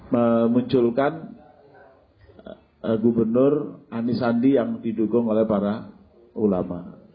memunculkan gubernur anies sandi yang didukung oleh para ulama